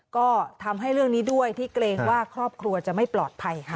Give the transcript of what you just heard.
ก็ทำให้เรื่องนี้ด้วยที่เกรงว่าครอบครัวจะไม่ปลอดภัยค่ะ